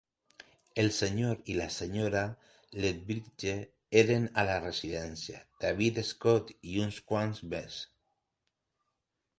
El senyor i la senyora Lethbridge eren a la residència, David Scott i uns quants més.